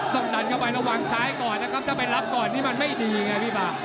ต้องดันเข้าไประวังซ้ายก่อนนะครับถ้าไปรับก่อนนี่มันไม่ดีไงพี่ปาก